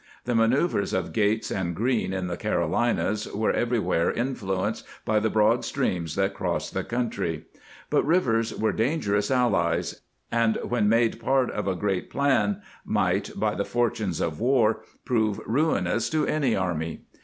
The manoeuvres of Gates and Greene in jthe Carolinas were everywhere influenced by the [broad streams that cross the country. But rivers \|were dangerous allies, and when made part of a (great plan might, by the fortunes of war, prove ; ruinous to an army.